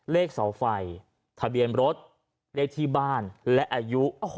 เลขเสาไฟทะเบียนรถเลขที่บ้านและอายุ